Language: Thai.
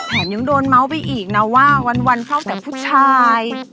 ยังโดนเมาส์ไปอีกนะว่าวันเข้าแต่ผู้ชาย